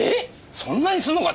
そんなにするのか？